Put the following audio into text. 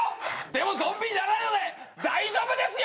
でもゾンビにならないので大丈夫ですよ。